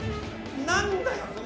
何だよ？